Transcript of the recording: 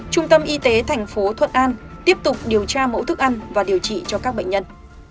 trung tâm y tế thành phố thuận an tiếp tục điều tra mẫu thức ăn và điều trị cho các bệnh nhân